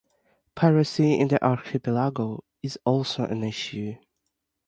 Piracy in the archipelago is also an issue.